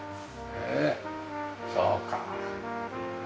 へえそうか。